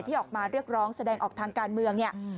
ออกมาเรียกร้องแสดงออกทางการเมืองเนี่ย